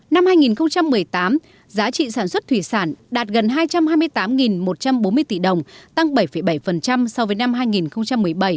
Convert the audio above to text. năm hai nghìn một mươi tám giá trị sản xuất thủy sản đạt gần hai trăm hai mươi tám một trăm bốn mươi tỷ đồng tăng bảy bảy so với năm hai nghìn một mươi bảy